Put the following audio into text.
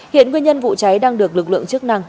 hiện nguyên nhân vụ cháy đang được lực lượng chức năng